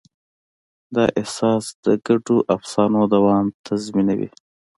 دا احساس د ګډو افسانو دوام تضمینوي.